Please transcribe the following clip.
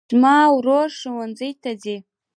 زما ورور ښوونځي ته ځي